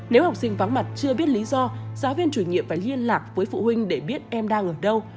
nếu học sinh vắng mặt chưa biết lý do giáo viên chủ nhiệm phải liên lạc với phụ huynh để biết em đang ở đâu